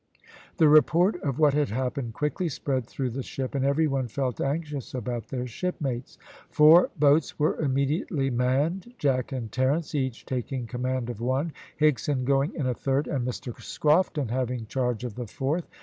The report of what had happened quickly spread through the ship, and every one felt anxious about their shipmates. Four boats were immediately manned, Jack and Terence each taking command of one, Higson going in a third, and Mr Scrofton having charge of the fourth.